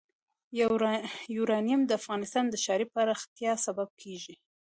یورانیم د افغانستان د ښاري پراختیا سبب کېږي.